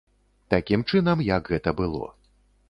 Такім чынам, як гэта было.